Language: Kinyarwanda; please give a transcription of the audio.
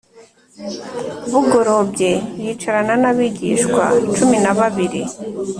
Bugorobye yicarana n abigishwa cumi na babiri